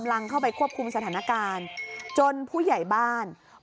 พอหลังจากเกิดเหตุแล้วเจ้าหน้าที่ต้องไปพยายามเกลี้ยกล่อม